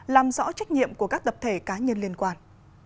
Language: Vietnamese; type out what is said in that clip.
làm rõ trách nhiệm của các tập thể cá nhân liên quan